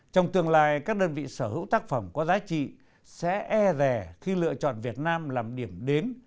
trong tương lai các đơn vị sở hữu tác phẩm có giá trị sẽ e rè khi lựa chọn việt nam làm điểm đến